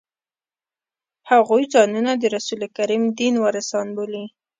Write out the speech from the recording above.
هغوی ځانونه د رسول کریم دین وارثان بولي.